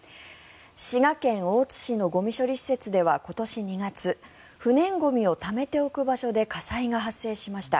滋賀県大津市のゴミ処理施設では今年２月不燃ゴミをためておく場所で火災が発生しました。